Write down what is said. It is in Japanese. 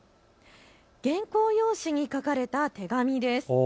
原稿用紙に書かれた手紙です。